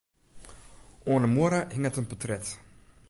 Oan 'e muorre hinget in portret.